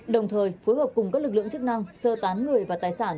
đồng thời phối hợp cùng các lực lượng chức năng sơ tán người và tài sản